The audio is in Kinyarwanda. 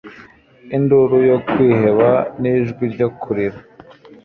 induru yo kwiheba n'ijwi ryo kurira